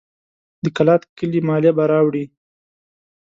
د کلات کلي مالیه به راوړي.